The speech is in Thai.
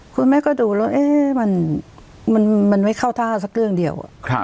คุณแม่ก็ดูแล้วมันไม่เข้าท่าสักเรื่องเดียว